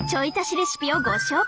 レシピをご紹介！